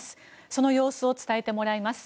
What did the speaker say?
その様子を伝えてもらいます。